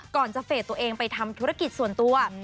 ก่อนจะเฟสตัวเองไปทำธุรกิจส่วนตัว